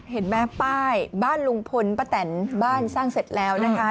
เห็นไหมป้ายบ้านลุงพลป้าแตนบ้านสร้างเสร็จแล้วนะคะ